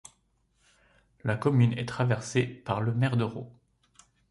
La commune est traversée par le Merdereau.